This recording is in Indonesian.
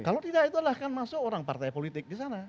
kalau tidak itu adalah kan masuk orang partai politik di sana